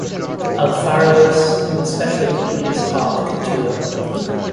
Alfaro's specialty is haute couture.